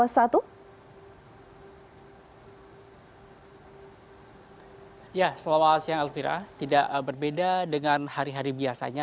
salam sejati alvira tidak berbeda dengan hari hari biasanya